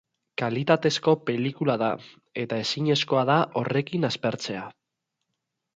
Kalitatezko pelikula da, eta ezinezkoa da horrekin aspertzea.